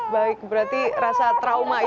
baik berarti rasa trauma ya